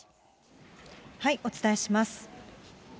お伝えします。